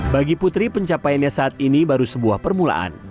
bagi putri pencapaiannya saat ini baru sebuah permulaan